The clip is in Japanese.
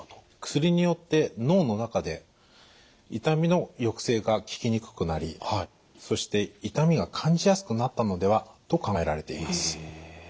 薬によって脳の中で痛みの抑制が効きにくくなりそして痛みが感じやすくなったのではと考えられています。